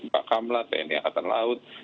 pak kamla tni angkatan laut